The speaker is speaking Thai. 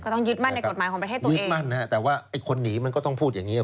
ต้องยึดมั่นในกฎหมายของประเทศตัวเองยึดมั่นฮะแต่ว่าไอ้คนหนีมันก็ต้องพูดอย่างเงี้